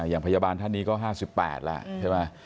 อย่างพยาบาลท่านนี้ก็๕๘แล้วใช่ไหม